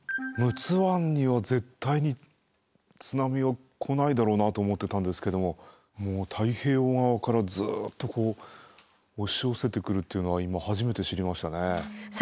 陸奥湾には絶対に津波は来ないだろうなと思ってたんですけどももう太平洋側からずっとこう押し寄せてくるっていうのは今初めて知りましたね。